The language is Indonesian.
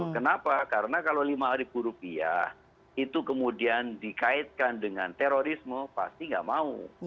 kenapa karena kalau lima ribu rupiah itu kemudian dikaitkan dengan terorisme pasti nggak mau